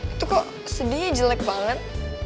itu kok sedihnya jelek banget